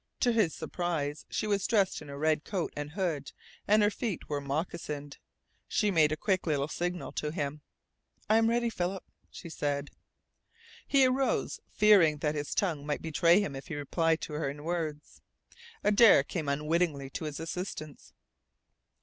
To his surprise she was dressed in her red coat and hood, and her feet were moccasined. She made a quick little signal to him. "I am ready, Philip," she said. He arose, fearing that his tongue might betray him if he replied to her in words. Adare came unwittingly to his assistance.